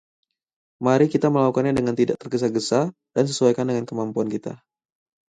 Mari kita melakukannya dengan tidak tergesa-gesa dan sesuaikan dengan kemampuan kita.